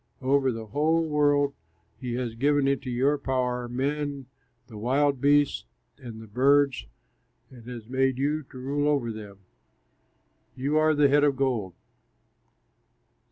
Over the whole world he has given into your power, men, the wild beasts and the birds, and has made you rule over them all. You are the head of gold.